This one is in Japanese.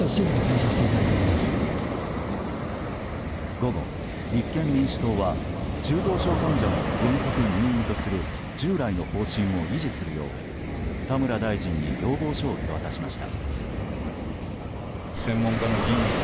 午後、立憲民主党は中等症患者も原則入院とする従来の方針を維持するよう田村大臣に要望書を手渡しました。